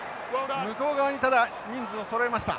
向こう側にただ人数をそろえました。